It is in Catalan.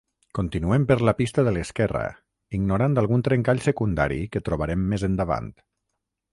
Continuem per la pista de l'esquerra, ignorant algun trencall secundari que trobarem més endavant.